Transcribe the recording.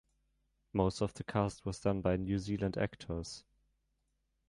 Most of the cast was done by New Zealand actors.